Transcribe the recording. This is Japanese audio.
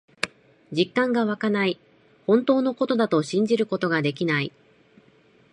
実感がわかない。本当のことだと信じることができない。